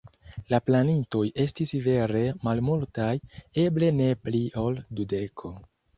La planintoj estis vere malmultaj, eble ne pli ol dudeko.